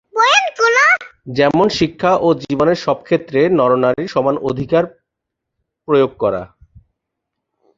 যেমন শিক্ষা ও জীবনের সব ক্ষেত্রে নর-নারীর সমান অধিকার প্রয়োগ করা।